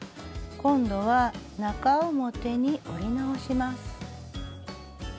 今度は中表に折り直します。